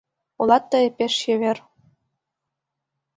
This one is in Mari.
Улат тые пеш чевер